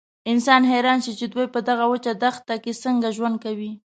انسان حیران شي چې دوی په دغه وچه دښته کې څنګه ژوند کوي.